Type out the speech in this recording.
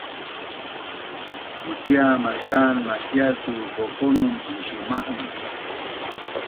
kucia mastan macial tu kakaunun pinsuma’un